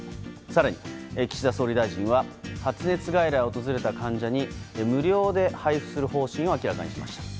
更に、岸田総理大臣は発熱外来を訪れた患者に無料で配布する方針を明らかにしました。